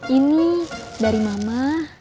ini dari mama